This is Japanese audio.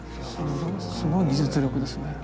すごい技術力ですね。